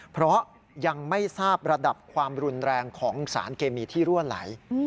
เพราะยังไม่ทราบระดับความรุนแรงของสารเคมีที่รั่วไหล